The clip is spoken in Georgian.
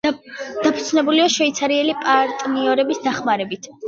დაფუძნებულია შვეიცარიელი პარტნიორების დახმარებით.